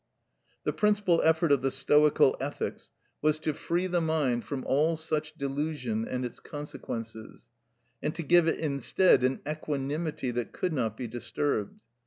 The principal effort of the Stoical ethics was to free the mind from all such delusion and its consequences, and to give it instead an equanimity that could not be disturbed.